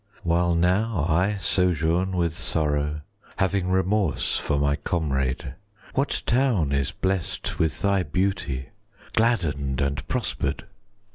While now I sojourn with sorrow, 5 Having remorse for my comrade, What town is blessed with thy beauty, Gladdened and prospered?